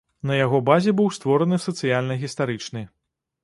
На яго базе быў створаны сацыяльна-гістарычны.